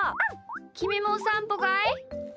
きみもおさんぽかい？